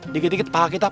dikit dikit kepahang kita